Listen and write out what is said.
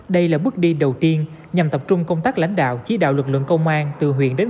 đây là bước đi đầu tiên nhằm tập trung công tác lãnh đạo chỉ đạo lực lượng công an từ huyện đến